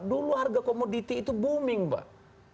dulu harga komoditi itu booming mbak